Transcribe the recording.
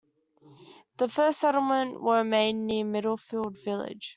The first settlements were made near Middlefield village.